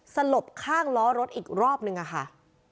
สลบข้างล้อรถอีกรอบนึงอะค่ะ